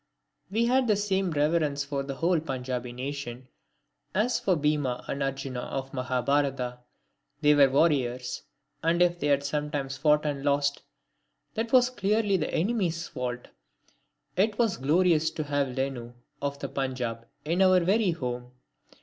We had the same reverence for the whole Panjabi nation as for Bhima and Arjuna of the Mahabharata. They were warriors; and if they had sometimes fought and lost, that was clearly the enemy's fault. It was glorious to have Lenu, of the Panjab, in our very home.